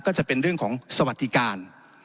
ก็จะเป็นเรื่องของสวัสดิการ